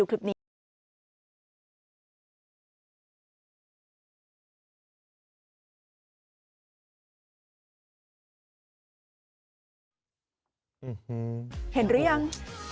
เห็นหรือยัง